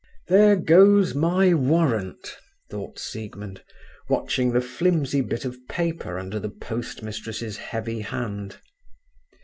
"There goes my warrant," thought Siegmund, watching the flimsy bit of paper under the post mistress's heavy hand.